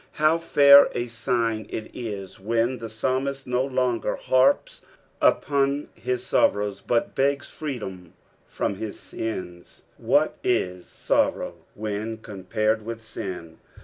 How fair a sign it is when the psalmist no longer harps upon his sorrows, but begs freedom from his ains I What is sorrow when compared with sin